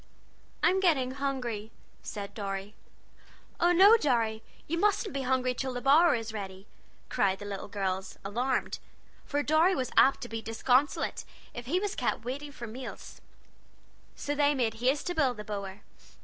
"I'm getting hungry," said Dorry. "Oh, no, Dorry, you mustn't be hungry till the bower is ready!" cried the little girls, alarmed, for Dorry was apt to be disconsolate if he was kept waiting for his meals. So they made haste to build the bower.